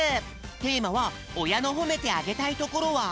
テーマは「おやのほめてあげたいところは？」。